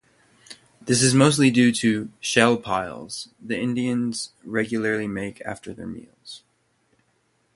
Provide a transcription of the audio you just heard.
This is mostly due to "shell piles" the Indians regularly made after their meals.